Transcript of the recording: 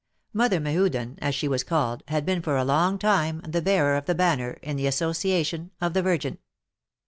Mother Mehuden, as she was called, had been for a long time the bearer of the banner, in the Asso ciation of the Virgin.